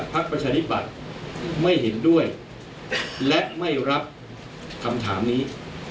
ประชาธิปัตย์ไม่เห็นด้วยและไม่รับคำถามนี้